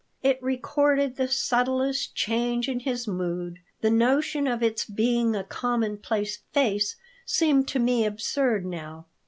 It recorded the subtlest change in his mood. The notion of its being a commonplace face seemed to me absurd now.